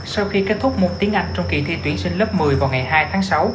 sau khi kết thúc môn tiếng anh trong kỳ thi tuyển sinh lớp một mươi vào ngày hai tháng sáu